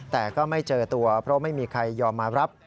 แต่ก็ไม่เจอตัวเพราะไม่มีใครยอมมารับ